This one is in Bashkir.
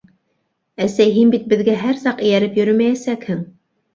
Әсәй һин бит беҙгә һәр саҡ эйәреп йөрөмәйәсәкһең.